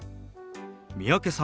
三宅さん